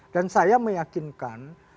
dan saya meyakinkan